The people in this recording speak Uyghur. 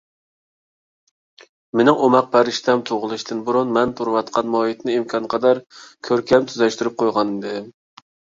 مېنىڭ ئوماق پەرىشتەم تۇغۇلۇشتىن بۇرۇن، مەن تۇرۇۋاتقان مۇھىتنى ئىمكانقەدەر كۆركەم تۈزەشتۈرۈپ قويغانىدىم.